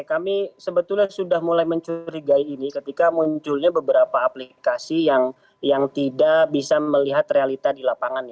kami sebetulnya sudah mulai mencurigai ini ketika munculnya beberapa aplikasi yang tidak bisa melihat realita di lapangan